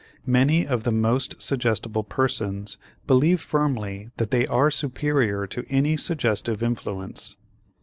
Many of the most suggestible persons believe firmly that they are superior to any suggestive influence.